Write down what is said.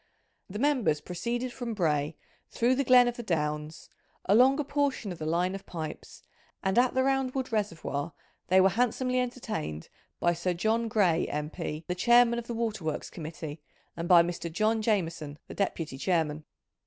The members proceeded from Bray through the Glen of the Downs, along a portion of the line of pipes, and at the Round wood Reservoir they were handsomely entertained by Sir John Gray, M.P., the Chairman of the Waterworks Committee, and by Mr. John Jameson, the Deputy Chairman.